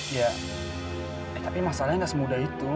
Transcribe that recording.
ya tapi masalahnya nggak semudah itu